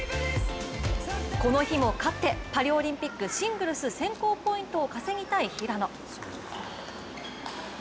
この日も勝ってパリオリンピックシングルス選考ポイントを稼ぎたい平野。